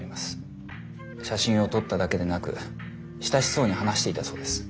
写真を撮っただけでなく親しそうに話していたそうです。